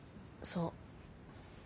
そう。